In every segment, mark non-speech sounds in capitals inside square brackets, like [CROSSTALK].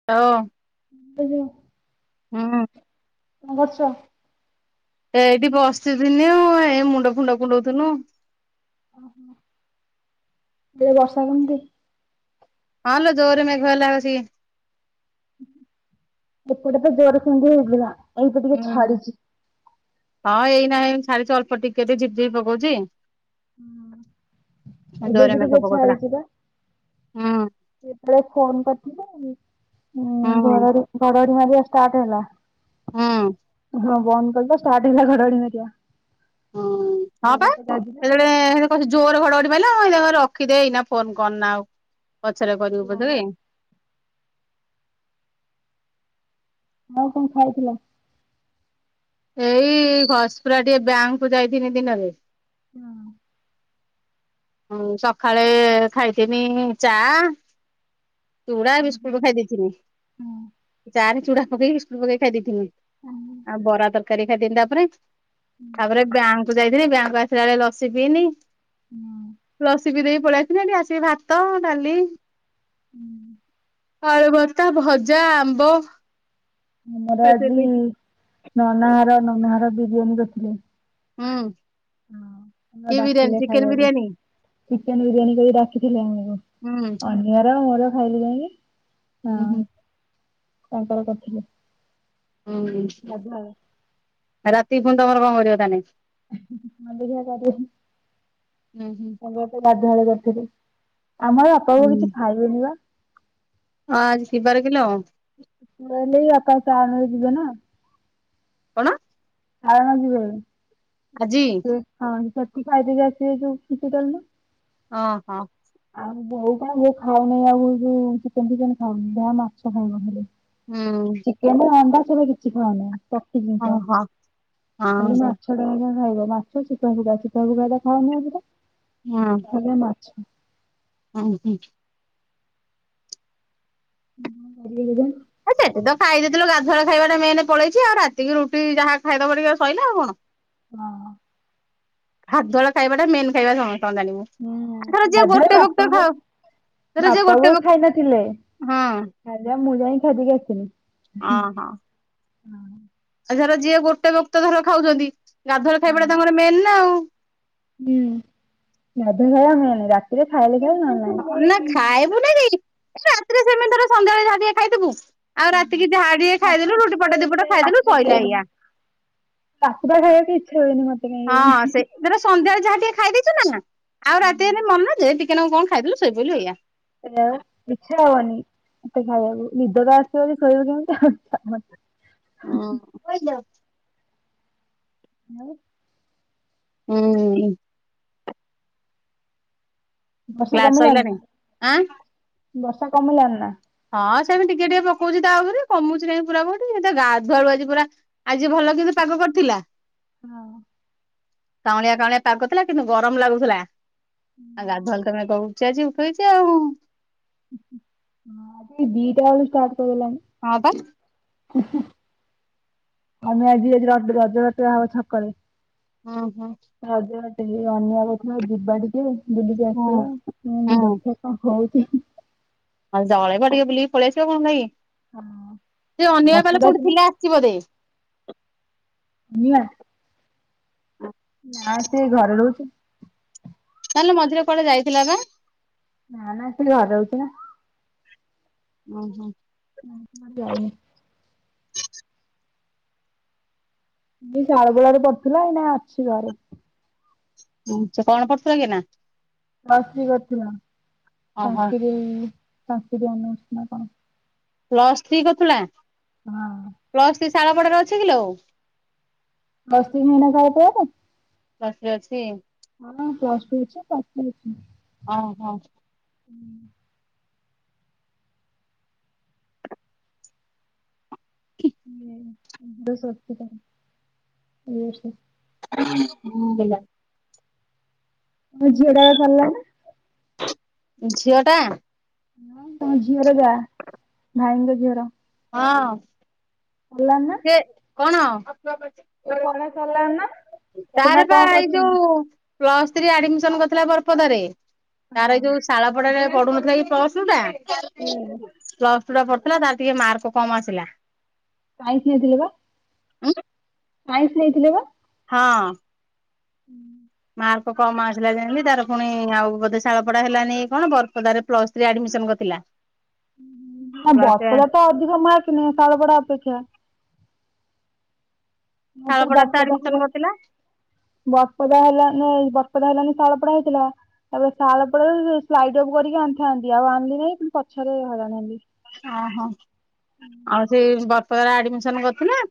[UNINTELLIGIBLE] [UNINTELLIGIBLE] ଉଁ। କଣ କରୁଚ? ଏଇଠି ବସିଥିନି ଆଉ ଏଇ ମୁଣ୍ଡ ଫୁଣ୍ଡ କୁଣ୍ଡୋଉ ଥିନୁ। ଓହୋ। ଏଇ ବର୍ଷା କେମିତି? ହଁ ଲୋ ଜୋରରେ ମେଘ ହେଲା ଆସିକି। ଏପଟେ ତ ଜୋରେ ସେମିତି ହେଇଥିଲା ଏଇ ତ ଟିକେ ହୁଁ ଛାଡିଛି। ହଁ ଏଇନା ଏଇ ଛାଡିଚି ଅଳ୍ପ ଟିକେ ଝିପି ଝିପି ପକଉଚି। ଏବେ ଜୋରେ ବି ଟିକେ ମେଘ ପକଉଥିଲା ଛାଡିଚି ପା ହୁଁ ସେତେ ବେଳେ ଫୋନ୍ କରିଥିଲେ। ହଁ ହୁଁ ଘଡଘଡ଼ି ଘଡଘଡି ମାରିବା ଷ୍ଟାର୍ଟ ହେଲା। ହୁଁ ହଁ ବନ୍ଦ କରଲ। ଷ୍ଟାର୍ଟ ହେଲା ଘଡ ଘଡି ମାରିବା। ହୁଁ ହଁ ପା ମତେ ଲାଗିଲା ଆଉ। ସେତେବେଳେ ହେ କସିକି ଜୋର ଘଡ ଘଡି ମାଇଲା କହିଲା ରଖିଦେ ଏଇନା ଫୋନ କରନା ଆଉ ପଛରେ କରିବୁ କେତେ ବେଳେ? ଆଉ କଣ ଖାଇଥିଲ? ଏଇ ଘଷିପୁରା ଟିକେ ବ୍ୟାଙ୍କ କୁ ଯାଇଥିନି ଦିନରେ। ହଁ। ହ ସକାଳେ ଖାଇଥିନି ଚା- ଚୁଡା ବିସ୍କୁଟ ଖାଇଦେଇଥିନି ଚା ରେ ଚୁଡ଼ା ପକେଇ ବିସ୍କୁଟ ପକେଇକି ଖାଇ ଦେଇଥିନି। ଆଉ ବରା ତ ତରକାରୀ ଖାଇଥିଲି ତିନିଟା ପରେ ତାପରେ ବ୍ୟାଙ୍କକୁ ଯାଇଥିଲି ବ୍ୟାଙ୍କକୁ ରୁ ଆସିଲା ପରେ ଲସି ପିଇନୀ। ହଁ। ଲସି ପିଇଦେଇକି ପଳେଇ ଆସିଥିଲି ଏଠି ଆସିକି ଭାତ ଡ଼ାଲି ହୁଁ। ଆଳୁ ଭର୍ତା ଭଜା ଆମ୍ବ ଆମର ଆଜି ଖାଇଥିଲି ନନାହର ନନାହର ବିରିୟାନି କରିଥଲେ। ହୁଁ। ହଁ କି ବିରିୟାନୀ ଡାକିଲେ ଚିକେନ ଖାଇଆକୁ। ବିରିୟାନୀ ଚିକେନ ବିରିୟାନୀ କରି ଡାକିଥିଲେ ଆମକୁ। ହୁଁ [UNINTELLIGIBLE] ଏରା ମୋର ଖାଇଲି ଯାଇକି ହଁ ହୁଁ ତାଙ୍କର କରିଥିଲେ। ହୁଁ ଗାଧୁଆବେଳେ ରାତିକି ଫୁଣି କଣ କରିବ ତା ନାଗି। [UNINTELLIGIBLE] ହୁଁ ହୁଁ ଗାଧୁଆବେଳେ କରିଥିଲି ଆମର ବାପା ବୋଉ କିଛି ଖାଇବେନି ବା। ହଁ ଆଜି କି ବାରେ କିଲୋ? ବୁଢ଼ା ହେଲେ ବି ବାପା ସାନରେ ଜିବେନା। କଣ? ଆର ଜଣକ ଯିବେ। ଆଜି। ସେ ହଁ ସେଠି ଖାଇଦେଇ ଆସିବେ ଯୋଉ [UNINTELLIGIBLE] ହଁ ହଁ। ଆଉ ବୋଉ କଣ ବୋଉ ଖାଉ ନାହିଁ ଆଉ ଯୋଉ ଚିକେନ ଫିକେନ୍ ଖାଉନି ଯାହା ମାଛ ଖାଇବ ଖାଲି। ହୁଁ। ଓହୋ ହଁ [INAUDIBLE] ହଁ [INAUDIBLE] ହଁ। ଖାଲି ମାଛ ହଁ ହୁଁ। [UNINTELLIGIBLE] ସେଠି ତ ଖାଇ ଦେଇଥିଲୁ ଗାଧୁଆ ଖାଇବା ଟା ମେନ ପଳେଇଛି ଆଉ ରାତିି ରୁଟି ଯାହା ଖାଇଦବ ଟିକେ ସଇଲା ଆଉ କଣ ହଁ। [UNINTELLIGIBLE] ଖାଇବା ଟା ମେନ୍ ଖାଇବା ସମସ୍ତ ଜାଣିବୁ। ହୁଁ ଆଉଥର ଯିଏ ଗାଧୁଆ ଗୋଟେ ବକ୍ତ ବାପାକୁ ଖାଉ ଯିଏ ବାପା ଗୋଟେ ବକ୍ତ ହଁ ଖାଇଦେବ ମୁଁ ଯାଇକି ଖାଇଦେଇକି ଆସିମି ଅହଁ ଆଉ ର ଯିଏ ଗୋଟେ ବକ୍ତ ଧର ଖାଉଛନ୍ତି ଗାଧୁଆ ବେଳ ଖାଇବା ଟା ତାଙ୍କର ମେନ୍ ନା ଆଉ। ହୁଁ [UNINTELLIGIBLE] ରାତିରେ ଖାଇଲେ ଖାଇ ନହେଲେ ନାହିଁ। ନା ଖାଇବୁ ନା ରାତିରେ ସେମିତିର ସନ୍ଧ୍ୟାବେଳେ ଯା ଖାଇଥବୁ ଆଉ ହଁ ରାତିକି ଯାହା ଟିକେ ମତେ ଖାଇଦେଲୁ ରୁଟି ଇଚ୍ଛା ପଟ ହୁଏନି ଦିପଟ କାଇଁ ଖାଇଦଲୁ ଶଇଲା ହେଇଆ ରାତି ଟା ଖାଇବାକୁ ଇଚ୍ଛା ହୁଏନି ମତେ କାଇଁ ହଁ କେଜାଣି। ସେ ତର ସନ୍ଧ୍ୟାରେ ଯାହା ଟିକେ ଖାଇଦେଇଛୁ ନା ଆଉ ରାତି ହୁଁ। ମନ ଯେ ଟିକେ ଟିକେ ନାକୁ କଣ ଖାଇଦେଲୁ ସୋଇ ପଡ଼ିଲୁ ଏଇଆ। ସେଉ ଇଚ୍ଛା ହବନି ମତେ ଖାଇବାକୁ ନିଦ ତ ଆସିବ ଶୋଇବ କେମିତି [UNINTELLIGIBLE] ହଁ। [UNINTELLIGIBLE] ହଁ। ହୁଁ। ବର୍ଷା କ୍ଲାସ କମିଲାଣି ସଇଲାଣି ନା ଆଁ ବର୍ଷା କମିଲାଣି ନା? ହଁ ସେମି ଟିକେ ଟିକେ ପକୋଉଛି ତା ଉପରେ କମୁଛି କାଇଁ ପୁରା କୋଉଠି ଏ ତ ଗାଧୁଆଳୁ ଆଜି ପୁରା ଆଜି ଭଲ କିନ୍ତୁ ପାଗ କରିଥିଲା। ହଁ। କାଉଁଳିଆ କାଉଁଳିଆ ପାଗ ଥିଲା କିନ୍ତୁ ଗରମ ଲାଗୁଥିଲା ଆଉ ଗାଧୁଆଲେ ଖାଲି କହିବୁ ସେ ଆଜି ଶୋଇଚି ଆଉ। [UNINTELLIGIBLE] ଦିଟାବେଳୁ ଷ୍ଟାର୍ଟ କରିଦେଲାଣି। ହଁ ପା। ଆମର ଆଜି ଆଜି ରଡ଼ ରଜ ବାଟୁଆ ହବ ଛକରେ। ଆଁ ହଁ। ରଜ ବାଟେଇଯିବା ନୂଆ କହୁଥିଲା ଯିବା ଟିକେ ବୁଲିକି ଆସିବା ହୁଁ ମୁଁ କହିନି ହୁଁ ଦେଖେ କଣ ହୋଉଛି? ଜଳେଇବ ଟିକେ ବୁଲିକି ପଳେଇ ଆସିବ କଣ ହେଲାକି। ହଁ ସେ ଅନିବା ପାଲୋ ବର୍ଷାଟା କୋଉଠି ସିନା ଥିଲା ଆସିଚି ବୋଧେ। ଅନିମା? ହଁ। ନା ସେ ଘରେ ରହୁଛି। ତାହେଲେ ମଝିରେ କୁଆଡେ ଯାଇଥିଲା ପା? ନା ନା ସେ ଘରେ ରହୁଛି ନା। ଓହୋ। ଯାଇନି। ଏଇ ଖାରବେଳରେ ପଢ଼ୁଥିଲା ଏଇନା ଅଛି ଘରେ। ଆଛା କଣ ପଢ଼ୁଥିଲା କି ଏଇନା? ପ୍ଲସ ଥ୍ରି କରୁଥିଲା। ଓହୋ ସାସଂକ୍ରିଟ ସାସଂକ୍ରିଟ ଅନର୍ସ ନା କଣ। ପ୍ଲସ୍ ଥ୍ରୀ କରୁଥିଲା? ହଁ। ପ୍ଲସ୍ ଥ୍ରୀ ଶାଳପଡାରେ ଅଛି କିିଲୋ? ପ୍ଲସ ଥ୍ରି ନାହିଁ ନା ସାଳପଡ଼ା ରେ। ପ୍ଲସ ଥ୍ରି ଅଛି। ହଁ ପ୍ଲସ ଟୁ ଅଛି ପ୍ଲସ ଥ୍ରୀ ଅଛି। ହଁ ହଁ। ହୁଁ। କି [UNINTELLIGIBLE] ଏଇ ବର୍ଷ। ହୁଁ ହେଲା। ମୋ ଝିଅ ଟାର ସରିଲା ନା। ଝିଅଟା? ହଁ ତମ ଝିଅର ଯା ଭାଇଙ୍କ ଝିଅର। ହଁ। ହେଲାଣିନା? ଏ କଣ? ପଢା ସରିଲାଣି ନା? ସେ ନା ତାରପା କଣ ଏଇ କରୁଛନ୍ତି? ଯୋଉ ପ୍ଲସ ଥ୍ରୀ ଆଡମିସନ କରିଥିଲା ବରପଦାରେ ତାର ହଁ ଏଇ ଯୋଉ ଶାଳପଡାରେ ପଢୁନଥିଲା କି ପ୍ଲସଟୁ ଟା ସେ ପ୍ଲସ୍ ପ୍ଲସ ଟୁ ଟା ପଢୁଥିଲା ତାର ଟିକେ ମାର୍କ କମ୍ ଆସିଲା। ସାଇନ୍ସ୍ ନେଇଥିଲେ ପା। ଉଁ। ସାଇନ୍ସ୍ ନେଇଥିଲେ ପା। ହଁ। ହୁଁ। ମାର୍କ କମ୍ ଆସିଲା ଯେମିତି ତାର ପୁଣି ଆଉ ବୋଧେ ଶାଳ ପଡା ହେଲାନିକି କଣ ବରପଦାରେ ପ୍ଲସ ଥ୍ରୀ ଆଡମିସନ କରିଥିଲା। ପ୍ଲସ ବରପଦା ତ ଅଧିକ ମାର୍କ ନିଏ ଶାଳପଡ଼ା ଅପେକ୍ଷା। ଆଉ ତାହେଲେ ଶାଳପଡାରେ ତ ବରପଦା ଆଡମିସନ ହେଲାନି। କରିଥିଲା ବରପଦା ହେଲାନି ଏଇ ବରପଦା ହେଲାନି ଶାଳପଡା ହେଇଥିଲା। ତାପରେ ଶାଳପଡାରେ ସ୍ଲାଇଡ ଅଫ୍ କରିକି ଆଣିଥାନ୍ତି ଆଉ ଆଣିଲି ନାହିଁ ପୁଣି ପଛରେ ହଇରାଣ ହେଲି। ଓହୋ ଆଉ ସେ ବରପଦାରେ ଆଡମିସନ କରିଥିଲା?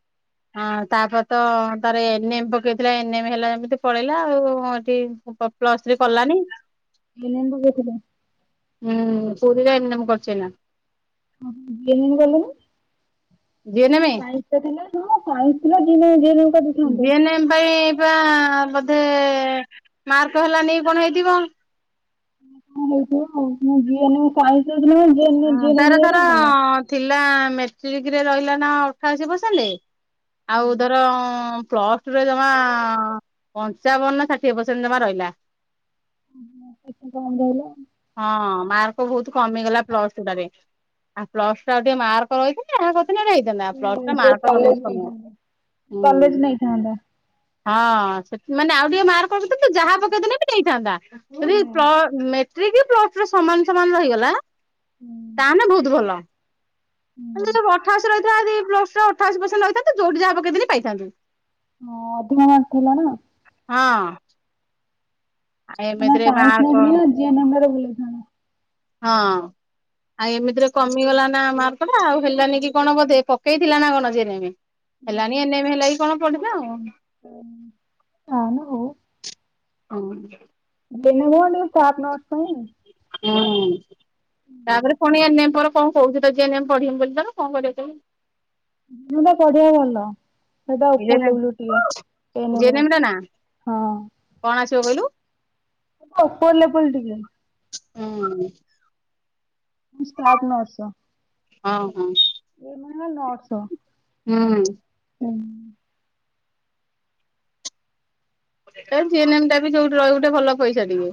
ହଁ ତାପରେ ତ ତାର ଏନ୍ ଏମ୍ ପକେଇଥିଲା ଏନ୍ ଏମ୍ ହେଲା ଯେମିତି ପଳେଇଲା ଆଉ। ଏଠି ପ୍ଲସ ଥ୍ରୀ କଲାନି। [UNINTELLIGIBLE] କହୁଥିଲେ। ହୁଁ ପୁରୀରେ ଏନ୍ ଏମ୍ କରୁଚି ଏଇନା। ଓ ହୋ [UNINTELLIGIBLE] ଗଲେନି। ଜିଏନେମେ ସାଇନ୍ସ୍ ତ ଥିଲା ଶୁଣ ସାଇନ୍ସ୍ ଥିଲା। ଜୁନିଅର ଯିଏ ଏନ୍ ଏମ୍ ଟା ଦେଇଥାନ୍ତ। ହେନ୍ ପାଇଁ ଆ ବୋଧେ ମାର୍କ ହେଲା ନି କି କଣ ହେଇଥିବ। କଣ ହେଇଥିବ ଆଉ ଯିଏ ସାଇନ୍ସ୍ ନେଉଛଚି ମାନେ ଯି ହଁ ଏନ୍ ଯି ଏନ୍ ଏମ୍ ତାର ନେଇଥିବ ଧର ମାନେ ଭଲ। ଥିଲା ମେଟ୍ରିକରେ ରହିଲା ନା ଅଠାଅଶୀ ପର୍ସେଣ୍ଟ୍। ଆଉ ଧର ପ୍ଲ ଟୁ ରେ ଜମା ପଞ୍ଚାବନ ନା ଷାଠିଏ ପରସେଣ୍ଟ ଜମା ରହିଲା। ସେଠି କମ୍ ରହିଲା। ହଁ ମାର୍କ ବୋହୁତୁ କମିଗଲା। ପ୍ଲସଟୁ ଟାରେ। ଆଉ ପ୍ଲସଟୁ ଟା ଆଉ ଟିକେ ମାର୍କ ରହିଥାନ୍ତା ଯାହା କରିଥିନେ କଣ ହେଇ ପ୍ଲସ ହୁଁ ଟୁ ଟା ଯୋଉ ମାର୍କ ଟା କଲେଜ ବହୁତ ନେଇଥାନ୍ତା। କମିଗଲା କଲେଜ ହୁଁ। ନେଇଥାନ୍ତା। ହଁ ସେଠି ମାନେ ଆଉ ଟିକେ ମାର୍କ ରଖିଥିଲେ ତୁ ଯାହା ପକେଇଥିନେ ବି ନେଇଥାନ୍ତା। ପୁରି ହୁଁ ପ୍ଲ ମେଟ୍ରିକ ପ୍ଲସ ଟୁରେ ସମାନ ସମାନ ରହିଗଲା ହୁଁ। ତାହାନେ ବହୁତ ଭଲ। ହେଲେ ତୁ ଅଠାଅଶୀ ରହିଥାଆ ପ୍ଲସ ଟୁ ରେ ଅଠାଅଶୀ ପରସେଣ୍ଟ ରଖିଥାନ୍ତୁ ଯୋଉଠି ଯାହା ପକେଇଥିନେ ପାଇଥାନ୍ତୁ। ହଁ ଅଧିକା ମାର୍କ ଥିଲା ନା। ହଁ। ଆମ ଏମିତିରେ ସାଇନ୍ସ ମାର୍କ ନଥିଲା ନା ଜି ଏନ୍ ଏମ୍ ରେ ଭଲ ହେଇଥାନ୍ତା। ହଁ। ଆଉ ଏମିତିରେ କମିଗଲା ନା ମାର୍କ ଟା ଆଉ ହେଲାନି କି କଣ ବୋଧେ ପକେଇଥିଲା ନା କଣ ଜି ଏନ୍ ଏମ୍। ହେଲାନି ଏନେ ମେ ହେଲା କି କଣ ପଡିଲା ଆଉ। ଅ ହଁ ମ ହଉ। ହୋଉ। ଜି ଏନ୍ ଏମ୍ କଣ ଟିକେ ଷ୍ଟାଫ୍ ନର୍ସ ପାଇଁ। ହୁଁ। ତାପରେ ପୁଣି ଏନେ ମେ ପରେ କଣ କହୁଛି ତ ଜି ଏନ୍ ଏମ୍ ପଢିମି ବୋଲି ତାର କଣ କରିବ କେ ଯୋଉଟା ପଢ଼ିବା ଭଲ। ସେଇଟା ଉପର୍ ଜେନେମ୍ ଲେବୁଲ ଟିକେ ଏ ଏନ୍ ଏମ୍ ର। ଜେନେମ୍ ରେ ନା ହଁ। କଣ ଆସିବ କଇଲୁ? ଓପର୍ ଲେବୁଲ୍ ଟିକେ। ହଁ। Staff nurse. ହଁ ହଁ। ଏ ଏନ୍ ଏମ୍ ମାନେ ନର୍ସ। ହୁଁ। ହୁଁ। ଏଇ ଜି ଏନ୍ ଏମ୍ ଟା ବି ଯୋଉଠି ରହିବୁ ଟିକେ ଭଲ ପଇସା ଟିକେ।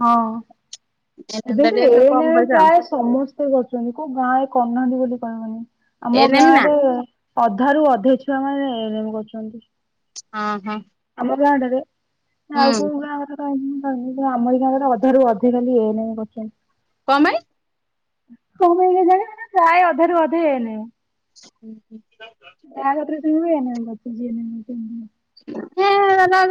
ହଁ ଏନେମ୍ ଏବେ ଟା ବି ଟିକେ କମ ଏଇନେ ପଇସା ଆଉ ପ୍ରାୟ ସମସ୍ତେ କରୁଚନ୍ତି କୋଉ ଗାଁ ରେ କରୁନାହାନ୍ତି ବୋଲି କହିବୁନି ଆମ ଏନେମ୍ ଗାଁ ନା ରେ। ଅଧା ରୁ ଅଧେ ଛୁଆ ମାନେ ଏ ଏନ୍ ଏମ୍ କରୁଚନ୍ତି। ହଁ ହଁ। ଆମ ଗାଁର ଆଡରେ ଆଉ ହୁଁ କୋଉ ଗାଁ କଥା କଁ କ ଆମର ଗାଁ ଗୁଡ଼ା ଅଧାରୁ ଅଧେ ଖାଲି ଏ ଏନ୍ ଏମ୍ କରୁଚନ୍ତି। କଣ ପାଇଁ? କଣ ପାଇଁ କେଜାଣେ ପ୍ରାଏ ଅଧାରୁ ଅଧେ ଏ ଏନ୍ ଏମ୍। ହଁ ହଁ। ଯା କତିରୁ ଶୁଣିବୁ ଏ ଏନ୍ ଏମ୍ କରିଚି G N M, G N M. ହେ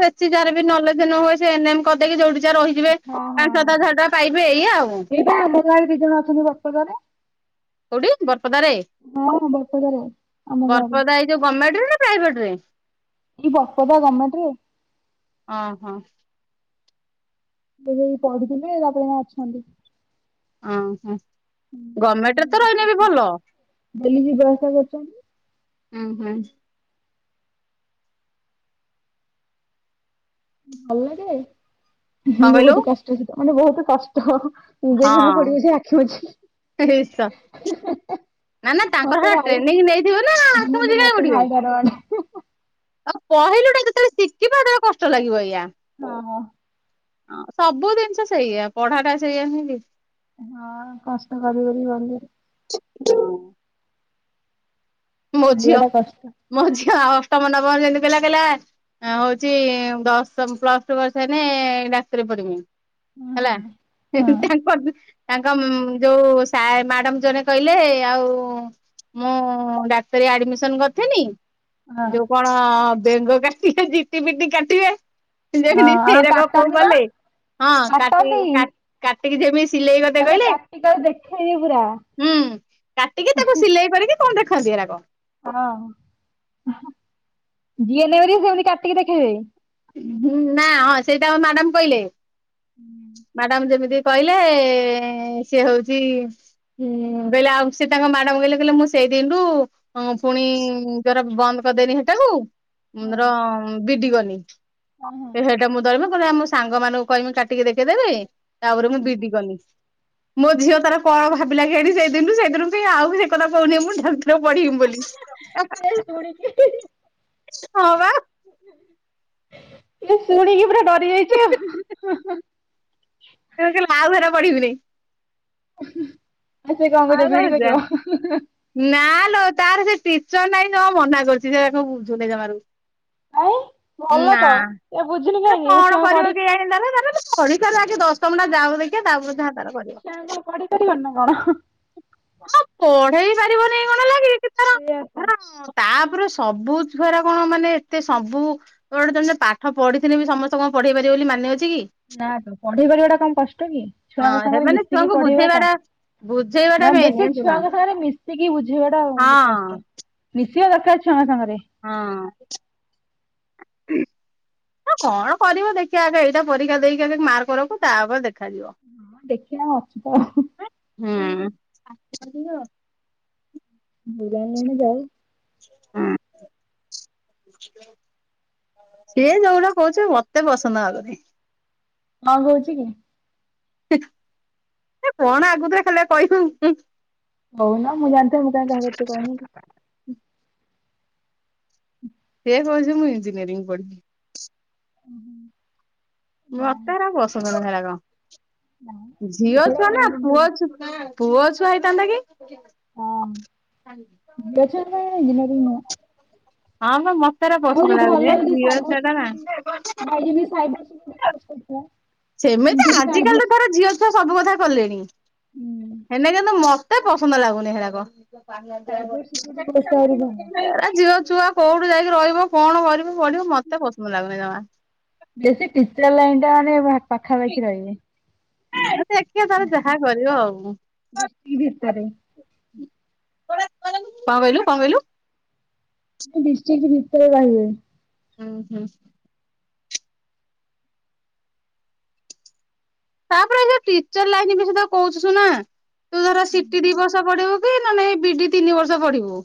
ବେଶୀ ଯାହାର ବି ନଲେଜ ନୁହଁ ସେ ଏନମ କରିଦେଇକି ଯୋଉି ଜା ରହି ବେ କରୁଛି। ହଁ ପାଞ୍ଚ ହଁ। ସାତ ହଜାର ଟଙ୍କା ପାଇବେ ଏଇଆ ଆଉ। ଏଇ ଆମ ଗାଁରେ ଦି ଜଣ ଅଛନ୍ତି ବରପଦରେ। କୋଉଠି ବରପଦାରେ ହଁ ବରପଦରେ ଆମ ଗାଁରେ। ଯଉ ଗମେଣ୍ଟରେ ନା ପ୍ରାଇଭେଟ ରେ? ଏଇ ବପଦା ଗମେଣ୍ଟ ରେ। ଅ ହଁ। ସେ ଯୋଉ ପଢୁଥିଲେ ତାପରେ ଏନା ଅଛନ୍ତି। ଓହୋ ଗମେଣ୍ଟ ରେ ତ ରହିନେ ବି ଭଲ ଡେଲି ଯିବା ଆସିବା କରୁଚନ୍ତି। ହୁଁ ହୁଁ। ଭଲ ଜେ କଣ କହିଲୁ ବହୁତ କଷ୍ଟ ସେଟା ମାନେ ବହୁତ କଷ୍ଟ। ଇଞ୍ଜେକସନ ଫୋଡିବୁ ହଁ ସେ ଆଖିି ଇସ ବୁଜିକି। ନା ନା ତାଙ୍କର ମତେ ସେଟା ଭାଇ ଟ୍ରେନିଂ ନେଇଥିବେ ନା ଆସୁମୁଜି ମାନେ କାଇଁ ମତେ ଉଠିବେ ଭାଇ ଡର ମାଡ଼େ। ଆଉ କହିଲୁ ଏଟା ଯେତେବେଳେ ଶିଖିବ ସେତେବେଳେ କଷ୍ଟ ଲାଗିବ ଏଇଆ। ଓହୋ। ହଁ ସବୁ ଜିନିଷ ସେଇଆ ପଢା ଟା ସେଇଆ ନୁହେଁ କି। ହଁ କଷ୍ଟ କରି କରି ଗଲି। [UNINTELLIGIBLE] ମୋ ଝିଅ ପାଇବାଟା କଷ୍ଟ ମୋଝିଅଉ ଆଉ ଅଷ୍ଟମ ନବମ ଯେମିତି ପିଲା କହିଲା ହଁ ହଉଛି ଦଶମ ପ୍ଲସ୍ ଟୁ କରିସାଇଲେ ଏଁ ଡାକ୍ତରୀ ପଢ଼ବି ମୁ ହଁ ହଁ। ହେଲା ହେଁ ହଁ ହେଁ ତାଙ୍କର୍ ତାଙ୍କ ଯୋଉ ସାର୍ ମ୍ୟାଡାମ୍ ଜଣେ କହିଲେ ଆଉ ମୋ ଡାକ୍ତରୀ ଆଡମିସନ କରିଥିନି ହଁ ଯୋଉ କଣ ହଁ ବେଙ୍ଗ କାଟିବେ ଜିଟି ପିଟି କାଟିବେ ହଁ ଯେମିତି ଆଉ ସେଇରକମ୍ କଉ କାଟନ୍ତି ବା ଗଲେ, ହଁ କାଟି କାଟନ୍ତି କାଟି କାଟିକି ଯେମିତି ସିଲେଇବାଟା ତାଙ୍କ କହିଲେ। ପ୍ରାକ୍ଟିକାଲ ଦେଖେଇବେ ପୁରା ହୁଁ। କାଟିକି ତାକୁ ସିଲେଇ କରିକି କଣ ଦେଖନ୍ତି ହେରକ ହଁ ହଁ ଯିଏ ନେବରି ସେମିତି କାଟିକି ଦେଖେଇବେ। ହୁଁ ନା ହଁ ସେଇଟା ଆ ମ୍ୟାଡାମ୍ କହିଲେ। ହୁଁ, ମ୍ୟାଡାମ୍ ଯେମିତି କହିଲେ ସିଏ ହଉଛି ହୁଁ ବାଲେ ସେ ତାଙ୍କ ମ୍ୟାଡାମଙ୍କୁ କହିଲେ କହିଲେ ମୁଁ ସେଇଦିନଠୁ ହଁ ପୁଣି ଜୋରେ ବନ୍ଦ କରିଦେନି ସେଟାକୁ ହଁ ର ବିଡି ଗନି, ହଁ ହଁ। ସେ ସେଇଟା ମୁଁ ଧରିମି କ ଆମ ସାଙ୍ଗ ମାନଙ୍କୁ କହମି କାଟିକି ଦେଖେଇଦେବି ତାପରେ ମୁଁ ବିଡି କଲି ମୋ ଝିଅ ତାର କଣ ଭାବ୍ ପିଲା ଖେଳି ସେଇଦିନରୁୁ ସେଇନ ବି ଆଉ ସେ କଥା କହୁନି ମୁଁ ଡାକ୍ତର ପଢ଼ିବି ବୋଲି। ଏ ଶୁଣିକି ହଁ ବା, ମୁଁ ଶୁଣିକି ପୁରା ଡରି ଯାଇଛି ଆଉ [UNINTELLIGIBLE] ମା ଘରେ ପଢ଼ିବି ନି। ଆ ସେ କଣ କରଦ ଭିଡି କରିବ [UNINTELLIGIBLE] ନାଲୋ ତାର ସେ ଟିଚର ନାଇଁ ଯମା ମନା କରୁଛି ସେ ତା ବୁଝୁନି ଜମାରୁ। କାଇଁ ଭଲ ନା ତ ଏ ବୁଝୁନି ଏଟା କାହିଁକି ସେ କଣ ଛୁଆଙ୍କୁ କରିବ ପଢି କେଆନି? [UNINTELLIGIBLE] ପଢ଼ି ସାରୁ ଆଗେ ଦଶମ ଯାଉ ଦେଖିବା। ସେ ଆଉ କଣ ପଡିି଼ପାରିବନି ନା କଣ? ହଁ ପଢ଼େଇ ପାରିବନି କଣ ଲାଗି କିନା ସେୟା ତାପରେ ସବୁ ଛୁଆର କଣ ମାନେ ଏତେ ସବୁ ଗୋଟେ ତମ ଯ ପାଠ ପଢି଼ଥିଲେ ବି ସମସ୍ତେ କଣ ପଢ଼େଇ ପାରିବ ବୋଲି ମାନେ ଅଛି କି? ନା ତ ପଢ଼େଇ ବାଟା କଣ କଷ୍ଟ କି ଛୁଆଙ୍କ ହଁ ସାଙ୍ଗରେ ସେମାନେ ମିଶିକି ଛୁଆଙ୍କୁ ପଢ଼େଇବା ଟା? ବୁଝେଇବାଟା ବୁଝେଇବାଟା ନା ମେନ୍ ବେଶୀ ଜାଣିଛୁ ନା ଛୁଆଙ୍କ ସାଙ୍ଗରେ ମିଶିକି ବୁଝେଇବା ଟା ହଁ। କଷ୍ଟ ମିଶିବା ଦରକାର ଛୁଆଙ୍କ ସାଙ୍ଗରେ। ହଁ [UNINTELLIGIBLE] ହଁ କଣ କରିବ ଦେଖି ଆଗେ ଏଇଟା ପରୀକ୍ଷା ଦେଇକି ଆଗେ ମାର୍କ ରଖୁ ତାପରେ ଦେଖାଯିବ। ହଁ ଦେଖିନା ଅଛୁ ତ। ହୁଁ [UNINTELLIGIBLE] [UNINTELLIGIBLE] ଯାଉ ହୁଁ ସିଏ ଯୋଉଡା କବୁଛି ମତେ ପସନ୍ଦ ଆଗୁନି। କ କହୁଛି କି? [UNINTELLIGIBLE] ଏ କଣ ଆଗତରେ ଖାଲେ କହିବୁ ହୁଁ, ହଉ ନା ମୁଁ ଜାଣିଥିବ ମୁଁ କହିଁ କାହା କିଛି କହିନି ସେ କହୁଛି ମୁଁ ଇଞ୍ଜିନିୟରିଂ ପଢି଼ବି। ହୁଁ-ହୁଁ, ମତେ ହେଗୁରାକ ପସନ୍ଦ ନୁହେଁ ଏଗୁରାକା ନାଇଁ ଝିଅ ଛଡା ଝିଅଛୁଆ ନା କାଇଁ କିନ୍ତୁ ପୁଅଛୁ ହୁଁ। ପୁଅ ଛୁଆ ହେଇଥାନ୍ତା କି? ହଁ ଝିଅ ଛୁଆଙ୍କ ପାଇଁ ଇଞ୍ଜିନିୟରିଂ ନୁହଁ। ହଁ ବା [UNINTELLIGIBLE] ଆହୁରି ଲାଗୁନି ଭଲ ଝିଅ ଛୁଆ ଟା ନା ଭାଇ [UNINTELLIGIBLE] ସେମିତି ବି ସାଇବର ଆଜିକାଲି ତ ହୁଁ। ତାର ଝିଅ ଛୁଆ ସବୁ କଥା କଲେଣି। ହେନା କିନ୍ତୁ ମ ତ ପସନ୍ଦ ଲାଗୁନି ହେଗଡ଼କ। ସାଇବର ସିକ୍ୟୁରିଟି କୋର୍ସ ଟା ଆହୁରି ଭଲ। ଛୁଆ କୋଉଠୁ ଯାଇକି ରହିବ କଣ କରିବ ପଢିବ ମତେ ପସନ୍ଦ ଲାଗୁନି ଜମ। ବେସି ଟିଚର ଲାଇନ୍ ଟା ମାନେ ପାଖାପାଖି ରହନି। ମେ ତାର ଯାହା କରିବ ଆଉ ଡିଷ୍ଟ୍ରିକ୍ଟ ଭିତରେ [UNINTELLIGIBLE] କନ କଇଲୁ କନ କଇଲୁ। ଡିଷ୍ଟ୍ରିକ୍ଟ ଭିତରେ ରହେ। ହୁଁ ହୁଁ ତାପରେ ସେ ଟିଚର ଲାଇନ ବି ସେ କହୁଚୁ ସୁନା ତୁ ଧର ସିଟି ଦି ବର୍ଷ ପଢ଼ିବୁ ସେଇଡା ନାଇଁ ବିଡି ତିନି ବର୍ଷ ପଢିବୁ।